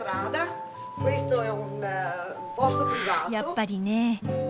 あやっぱりね。